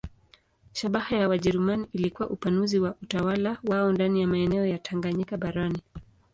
Shabaha ya Wajerumani ilikuwa upanuzi wa utawala wao ndani ya maeneo ya Tanganyika barani.